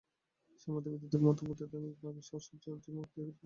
সেই মুহূর্তেই বিদ্যুতের মতো বৈদ্যনাথ ভাবী ঐশ্বর্যের উজ্জ্বল মূর্তি দেখিতে পাইলেন।